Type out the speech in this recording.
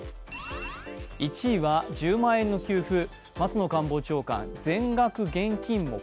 １位は１０万円の給付、松野官房長官、全額現金も可。